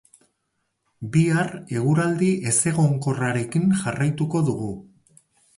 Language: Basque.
Bihar eguraldi ezegonkorrarekin jarraituko dugu.